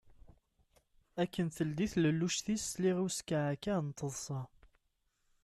Akken teldi talelluct-is, sliɣ i uskeεkeε n teṭsa.